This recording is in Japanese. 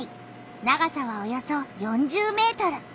長さはおよそ４０メートル。